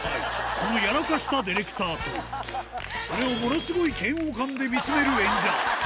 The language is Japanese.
このやらかしたディレクターとそれをものすごい嫌悪感で見つめる演者。